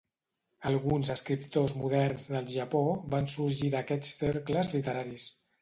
Alguns escriptors moderns del Japó van sorgir d'aquests cercles literaris.